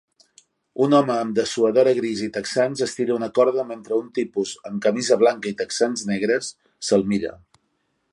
Un home amb dessuadora gris i texans estira una corda mentre un tipus amb camisa blanca i texans negres se'l mira